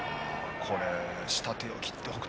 下手を切って北勝